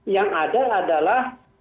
yang ada adalah